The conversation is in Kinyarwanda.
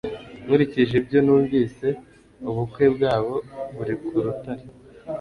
nkurikije ibyo numvise, ubukwe bwabo buri ku rutare